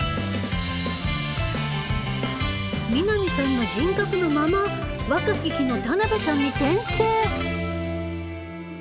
南さんの人格のまま若き日の田辺さんに転生！